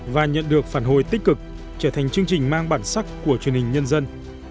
và nhận được phản hồi tích cực trở thành chương trình mang bản sắc của truyền hình nhân dân